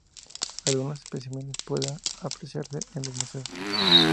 Algunos especímenes pueden apreciarse en los museos.